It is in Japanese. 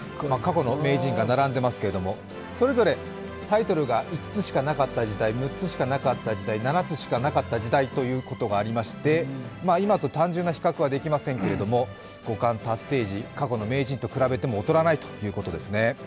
過去の名人が並んでいますけれどもそれぞれタイトルが５つしかなかった時代、６つしかなかった時代、７つしかなかった時代ということがありまして、今と単純な比較はできませんけど、五冠達成時、過去の名人と比べても劣らないということですね。